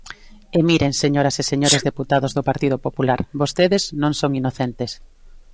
E miren, señoras e señores deputados do Partido Popular, vostedes non son inocentes.